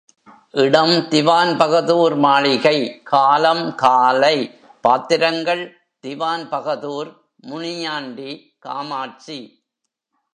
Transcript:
இடம் திவான்பகதூர் மாளிகை காலம் காலை பாத்திரங்கள் திவான்பகதூர், முனியாண்டி, காமாட்சி.